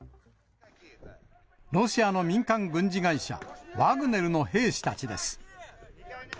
ロシアの民間軍事会社、ワグネルの兵士たちです。